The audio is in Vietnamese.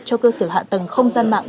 cho cơ sở hạ tầng không gian mạng